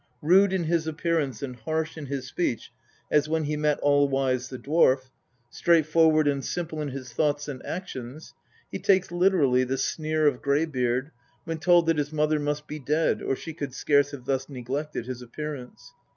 Rude in his appearance and harsh in his speech as when he met All wise the dwarf, straightforward and simple in his thoughts and actions, he takes literally the sneer of Greybeard when told that his mother must be dead or she could scarce have thus neglected his appearance.